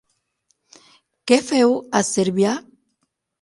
Què feu a Cervià?